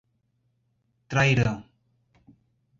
Trairão